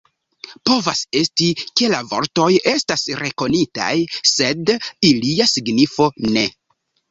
Povas esti, ke la vortoj estas rekonitaj, sed ilia signifo ne.